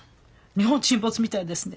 『日本沈没』みたいですね！」